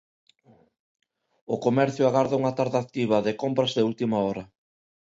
O comercio agarda unha tarde activa, de compras de última hora.